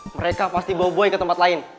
mereka pasti bawa boy ke tempat lain